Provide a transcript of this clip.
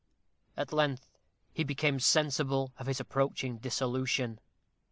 At length he became sensible of his approaching dissolution.